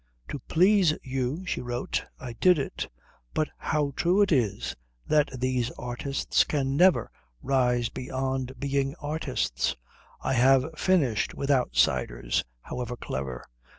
"To please you," she wrote, "_I did it. But how true it is that these artists can never rise beyond being artists! I have finished with outsiders, however clever.